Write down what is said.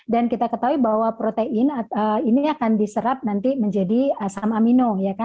dan kita ketahui bahwa protein ini akan diserap nanti menjadi asam amino